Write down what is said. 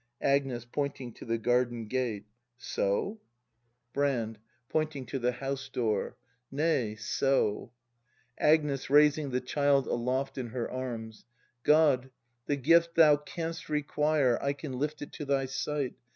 ] Agnes. [Pointing to the garden gate.] So.? 152 BRAND [act hi Brand. [Pointing to the house door.] Nay, — so! Agnes. [Raising the child aloft in her arms.] God! The gift Thou canst require I can lift it to thy sight!